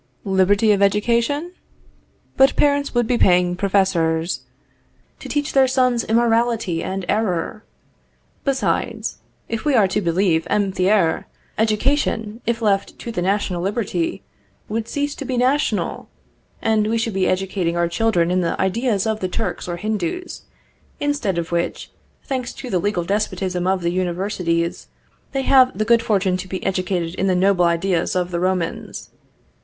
Liberty of education? But parents would be paying professors to teach their sons immorality and error; besides, if we are to believe M. Thiers, education, if left to the national liberty, would cease to be national, and we should be educating our children in the ideas of the Turks or Hindoos, instead of which, thanks to the legal despotism of the universities, they have the good fortune to be educated in the noble ideas of the Romans.